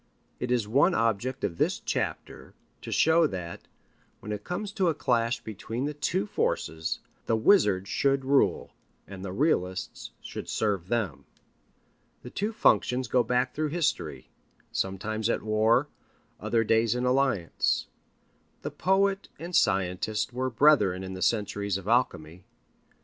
It is one object of this chapter to show that, when it comes to a clash between the two forces, the wizards should rule, and the realists should serve them. The two functions go back through history, sometimes at war, other days in alliance. The poet and the scientist were brethren in the centuries of alchemy.